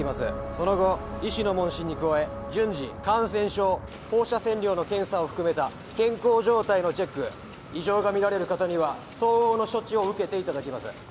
その後医師の問診に加え順次感染症放射線量の検査を含めた健康状態のチェック異常がみられる方には相応の処置を受けていただきます